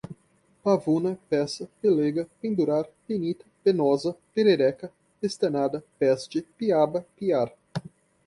pavuna, peça, pelêga, pendurar, penita, penosa, perereca, pestanada, peste, piaba, piar